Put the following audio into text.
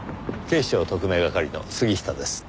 警視庁特命係の杉下です。